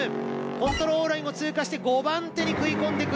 コントロールラインを通過して５番手に食い込んでくる。